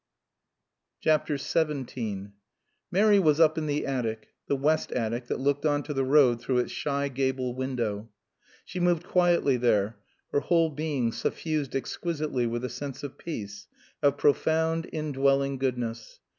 XVII Mary was up in the attic, the west attic that looked on to the road through its shy gable window. She moved quietly there, her whole being suffused exquisitely with a sense of peace, of profound, indwelling goodness.